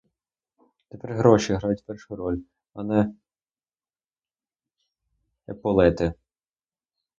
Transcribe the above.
Тепер гроші грають першу роль, а не еполети.